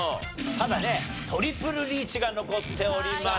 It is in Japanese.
ただねトリプルリーチが残っております。